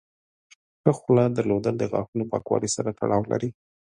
ښه خوله درلودل د غاښونو پاکوالي سره تړاو لري.